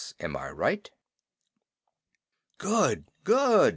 Am I right?" "Good! Good!"